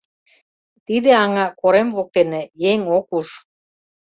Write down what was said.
Тиде аҥа корем воктене, еҥ ок уж.